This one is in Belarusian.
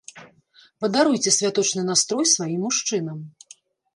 Падаруйце святочны настрой сваім мужчынам!